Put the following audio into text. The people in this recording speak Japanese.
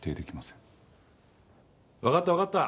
わかったわかった。